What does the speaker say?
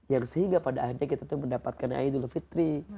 yang sehingga pada akhirnya kita tuh mendapatkan aidilfitri